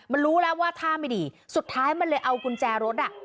มันรู้แล้วว่าท่าไม่ดีสุดท้ายมันเลยเอากุญแจรถอ่ะ